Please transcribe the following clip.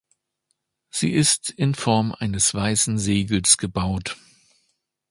Sie ist in Form eines weißen Segels gebaut.